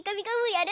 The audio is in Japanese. やる？